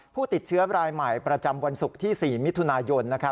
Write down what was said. ผู้ติดเชื้อรายใหม่ประจำวันศุกร์ที่๔มิถุนายน